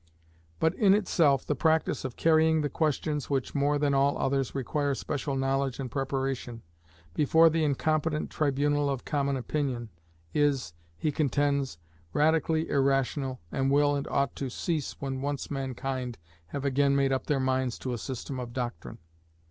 But in itself, the practice of carrying the questions which more than all others require special knowledge and preparation, before the incompetent tribunal of common opinion, is, he contends, radically irrational, and will and ought to cease when once mankind have again made up their minds to a system of doctrine.